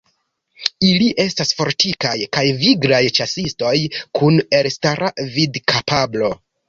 Ili estas fortikaj kaj viglaj ĉasistoj kun elstara vidkapablo.